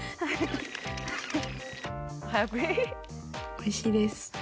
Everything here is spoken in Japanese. おいしいです